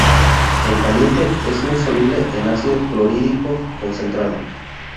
En caliente, es muy soluble en ácido clorhídrico concentrado.